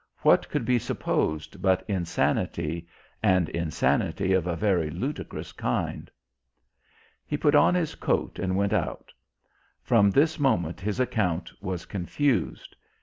What could be supposed but insanity and insanity of a very ludicrous kind? He put on his coat and went out. From this moment his account was confused.